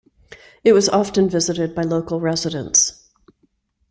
It was often visited by local residents.